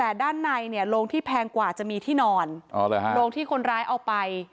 แต่ด้านในเนี่ยโรงที่แพงกว่าจะมีที่นอนอ๋อเลยฮะโรงที่คนร้ายเอาไป